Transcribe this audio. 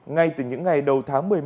ngay từ những ngày đầu tháng một mươi một